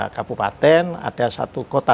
kabupaten ada satu kota